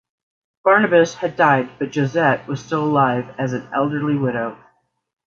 Barnabas had died but Josette was still alive as an elderly widow.